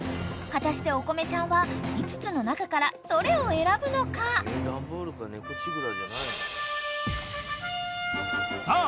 ［果たしておこめちゃんは５つの中からどれを選ぶのか？］さあ。